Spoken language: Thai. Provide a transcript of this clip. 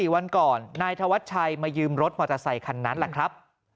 ๔วันก่อนนายธวัชชัยมายืมรถมอเตอร์ไซคันนั้นแหละครับ